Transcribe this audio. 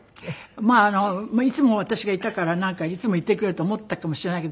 まあいつも私がいたからなんかいつもいてくれると思ったかもしれないけど。